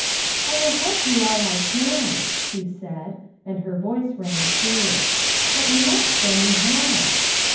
"I will help you all I can," she said — and her voice rang true. "But you must show me how."